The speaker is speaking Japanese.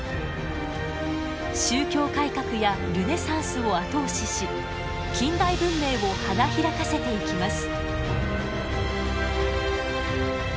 宗教改革やルネサンスを後押しし近代文明を花開かせていきます。